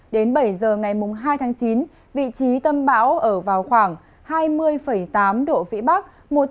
đến bảy giờ ngày hai chín vị trí tân báo ở vào khoảng hai mươi tám độ vĩ bắc